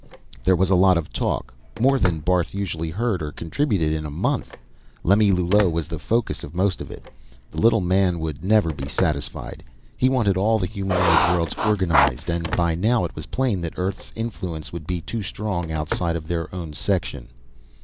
There was a lot of talk more than Barth usually heard or contributed in a month. Lemillulot was the focus of most of it. The little man would never be satisfied. He wanted all the humanoid worlds organized, and by now it was plain that Earth's influence would be too strong outside of their own section.